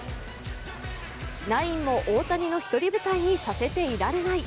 ナインも大谷のひとり舞台にさせていられない。